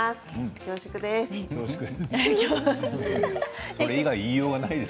恐縮です。